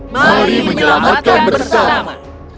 mari menyelamatkan bersama